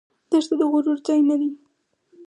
دښته د غرور ځای نه دی.